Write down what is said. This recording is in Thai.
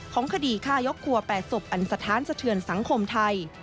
คดีฆ่ายกครัว๘ศพอันสถานสะเทือนสังคมไทย